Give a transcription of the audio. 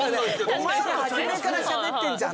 お前ら始めからしゃべってるじゃんって。